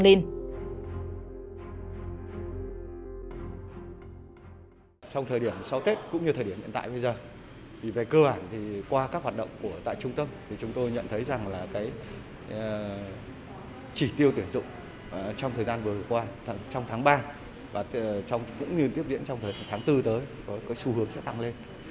trong thời điểm sau tết cũng như thời điểm hiện tại bây giờ về cơ bản qua các hoạt động tại trung tâm chúng tôi nhận thấy trị tiêu tuyển dụng trong thời gian vừa qua trong tháng ba và cũng như tiếp diễn trong tháng bốn tới xu hướng sẽ tăng lên